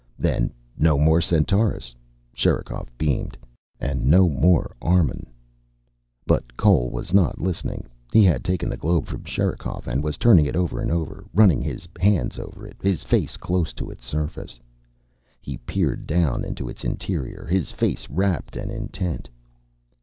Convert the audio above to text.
Then no more Centaurus." Sherikov beamed. "And no more Armun." But Cole was not listening. He had taken the globe from Sherikov and was turning it over and over, running his hands over it, his face close to its surface. He peered down into its interior, his face rapt and intent.